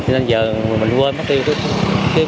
nên giờ mình quên mất tiêu